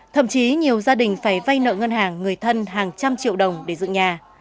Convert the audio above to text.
thậm chí nhiều gia đình phải vay nợ ngân hàng người thân hàng trăm triệu đồng để dựng nhà